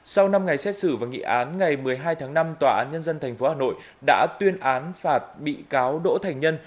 sau năm ngày xét xử và nghị án ngày một mươi hai tháng năm tòa án nhân dân tp hà nội đã tuyên án phạt bị cáo đỗ thành nhân